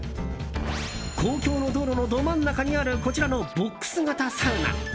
公共の道路のど真ん中にあるこちらのボックス型サウナ。